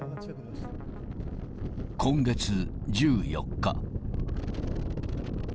今月１４日。